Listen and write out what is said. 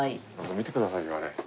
見てくださいよあれ。